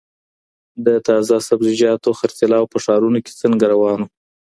د تازه سبزیجاتو خرڅلاو په ښارونو کي څنګه روان و؟